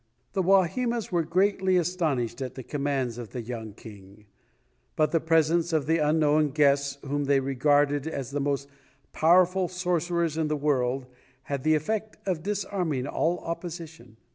The Wahimas were greatly astonished at the commands of the young king, but the presence of the unknown guests whom they regarded as the most powerful sorcerers in the world had the effect of disarming all opposition.